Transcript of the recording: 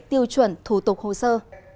tiêu chuẩn thủ tục hồ sơ